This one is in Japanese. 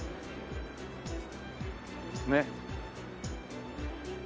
ねっ。